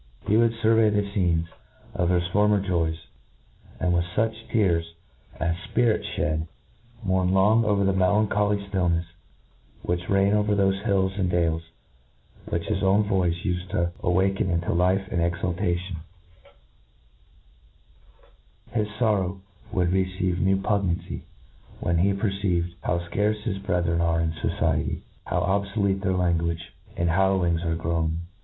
tVt would furvey the fccne$ of his former joys^^ and^ with fuch tears as fpirits ihed, moarn long 6ver the melancholy ftilkiefs which reign over thofe hills and dales which his own vtMce ufed to awake into life and exultation* His forro^r would receive new pungency, when he perceived how fcarce his brediren are in fbciety ^ow oh* foldte fhek langus^ and hailowings are growa